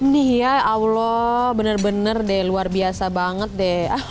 nih ya allah benar benar deh luar biasa banget deh